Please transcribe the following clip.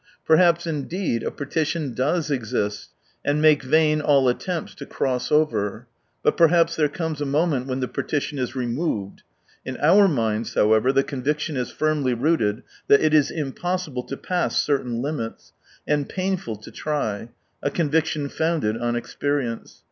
Perhaps indeed a partition doesexi^t, and make vain all attempts to cross over. . But perhaps there comes a moment when the partition is removed. In our minds, however, the con viction is firmly rooted that it is impossible to pass certain limits, and painful to try: a conviction founded on experience.